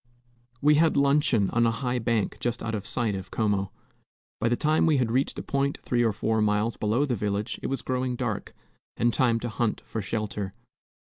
We had luncheon on a high bank just out of sight of Como. By the time we had reached a point three or four miles below the village it was growing dark, and time to hunt for shelter.